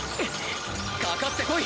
かかってこい！